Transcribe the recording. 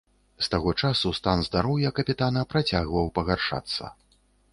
З таго часу стан здароўя капітана працягваў пагаршацца.